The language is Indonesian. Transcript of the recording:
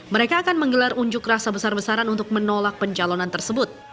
mereka akan menggelar unjuk rasa besar besaran untuk menolak pencalonan tersebut